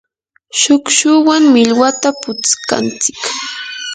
shukshuwan millwata putskantsik.